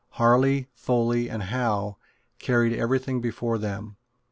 Harley, Foley and Howe carried every thing before them.